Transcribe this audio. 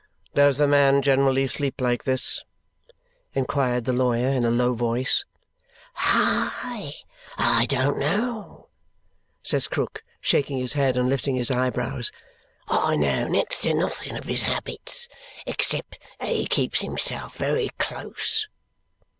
"Does the man generally sleep like this?" inquired the lawyer in a low voice. "Hi! I don't know," says Krook, shaking his head and lifting his eyebrows. "I know next to nothing of his habits except that he keeps himself very close."